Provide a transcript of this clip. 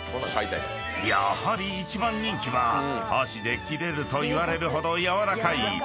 ［やはり一番人気は箸で切れるといわれるほど軟らかい］